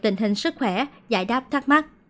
tình hình sức khỏe giải đáp thắc mắc